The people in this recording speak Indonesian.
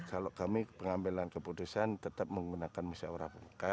kalau kami pengambilan keputusan tetap menggunakan misi awrap